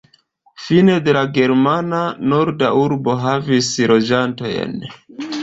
Fine de la germana, norda urbo havis loĝantojn.